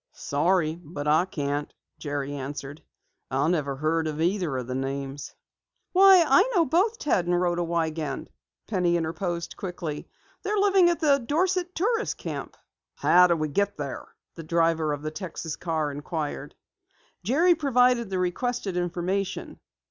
"Sorry, but I can't," Jerry answered. "I never heard either of the names." "Why, I know both Ted and Rhoda Wiegand," Penny interposed quickly. "They're living at the Dorset Tourist Camp." "How do we get there?" the driver of the Texas car inquired. Jerry provided the requested information.